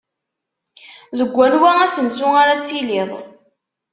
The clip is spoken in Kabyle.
Deg anwa asensu ara tittiliḍ?